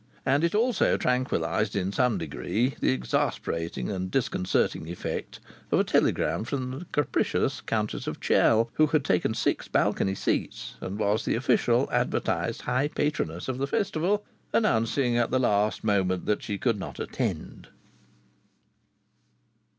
And it also tranquillized in some degree the exasperating and disconcerting effect of a telegram from the capricious Countess of Chell (who had taken six balcony seats and was the official advertised high patroness of the Festival) announcing at the last moment that she could not attend.